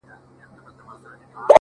د پامیر لوري یه د ښکلي اریانا لوري ـ